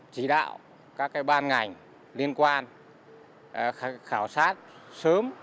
chỉ đạo các ban ngành liên quan khảo sát sớm